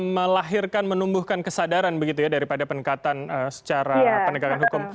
melahirkan menumbuhkan kesadaran begitu ya daripada peningkatan secara penegakan hukum